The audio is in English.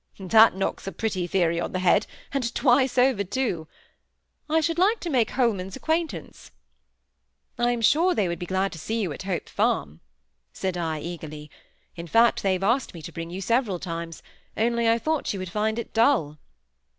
"That knocks a pretty theory on the head, and twice over, too. I should like to make Holman's acquaintance." "I am sure they would be so glad to see you at Hope Farm," said I, eagerly. "In fact, they've asked me to bring you several times: only I thought you would find it dull."